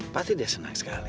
pasti dia seneng sekali